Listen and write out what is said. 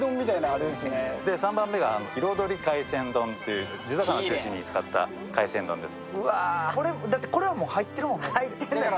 ３番目が彩り海鮮丼という、地魚中心に使った海鮮丼です。